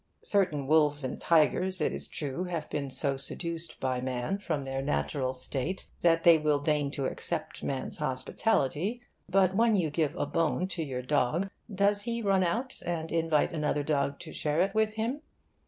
Certain wolves and tigers, it is true, have been so seduced by man from their natural state that they will deign to accept man's hospitality. But when you give a bone to your dog, does he run out and invite another dog to share it with him?